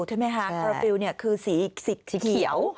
ใช่ไหมคะคาราฟิลคือสีเขียว